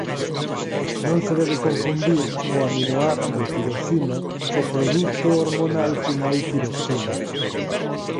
Non se debe confundir o aminoácido tirosina co produto hormonal final tiroxina.